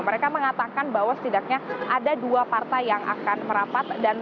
mereka mengatakan bahwa setidaknya ada dua partai yang akan merapat dan terus menunggu